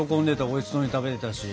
おいしそうに食べてたし。